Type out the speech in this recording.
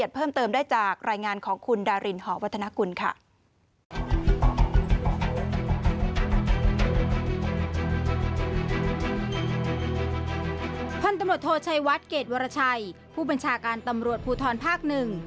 พันธุ์ตำรวจโทชัยวัดเกรดวรชัยผู้บัญชาการตำรวจภูทรภาค๑